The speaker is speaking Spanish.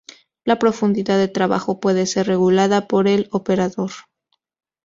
La profundidad de trabajo puede ser regulada por el operador.